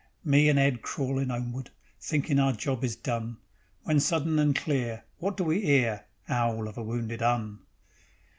Me and Ed crawlin' 'omeward, Thinkin' our job is done, When sudden and clear, Wot do we 'ear: 'Owl of a wounded 'Un.